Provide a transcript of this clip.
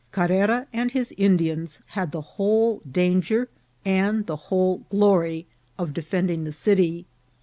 Carrera and his Indians had the whole danger and the whole glory of defending the city.